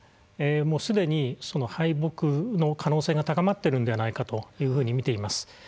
すでに敗北の可能性が高まっているのではないかと見ています。